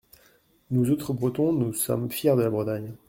Nous autres Bretons, nous sommes fiers de la Bretagne.